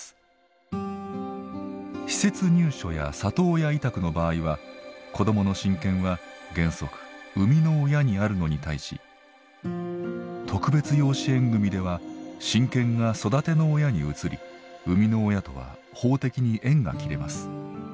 施設入所や里親委託の場合は子どもの親権は原則生みの親にあるのに対し特別養子縁組では親権が育ての親に移り生みの親とは法的に縁が切れます。